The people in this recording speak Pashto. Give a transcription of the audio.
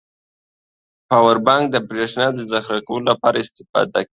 پاور بانک د بريښنا د زخيره کولو لپاره استفاده کیږی.